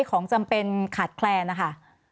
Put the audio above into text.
ของจำเป็นขาดแคลนนะคะ